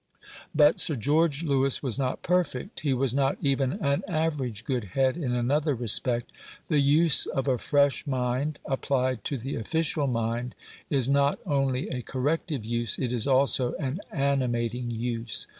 But Sir George Lewis was not perfect; he was not even an average good head in another respect. The use of a fresh mind applied to the official mind is not only a corrective use, it is also an animating use.